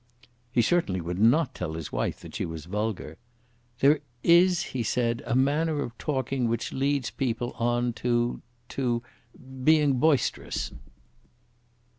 He certainly would not tell his wife that she was vulgar. "There is," he said, "a manner of talking which leads people on to to being boisterous."